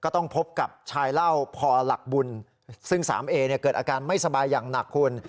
ต้องพบกับชายเล่าพอหลักบุญซึ่งสามเอเนี่ยเกิดอาการไม่สบายอย่างหนักคุณ